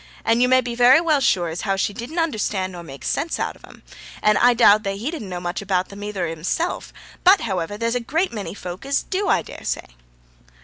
And you may be very well sure as how she didn't understand nor make sense out of 'em, and I doubt that he didn't know much about them either himself, but, howivver, there's a great many folk as do, I dare say.'